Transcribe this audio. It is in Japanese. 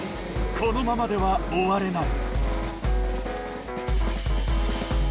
このままでは終われない。